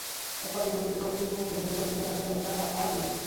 একপর্যায়ে জোরপূর্বক তাঁকে বের করে দিয়ে তাঁর কার্যালয়ে তাঁরা তালা ঝুলিয়ে দেন।